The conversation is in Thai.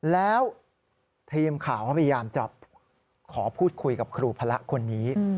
แล้วทีมข่าวก็พยายามจะขอพูดคุยกับครูพระคนนี้